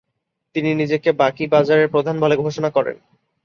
তিনি নিজেকে বাঁকিবাজারের প্রধান বলে ঘোষণা করেন।